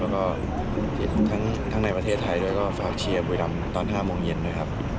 แล้วก็เห็นทั้งในประเทศไทยด้วยก็ฝากเชียร์บุรีรำตอน๕โมงเย็นด้วยครับ